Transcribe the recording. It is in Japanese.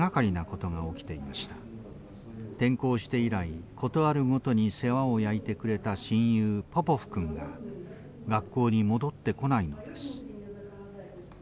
転校して以来事あるごとに世話を焼いてくれた親友ポポフ君が学校に戻ってこないのです。